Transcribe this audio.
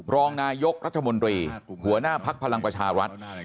รองนายกรัฐมนตรีหัวหน้าภักดิ์พลังประชารัฐ